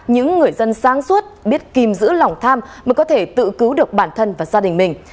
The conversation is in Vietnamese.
những người dân sáng suốt biết kìm giữ lòng tham mới có thể tự cứu được bản thân và gia đình mình